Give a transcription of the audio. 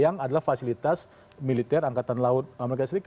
yang adalah fasilitas militer angkatan laut as